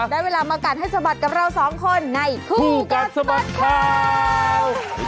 ได้เวลามากัดให้สะบัดกับเราสองคนในคู่กัดสะบัดข่าว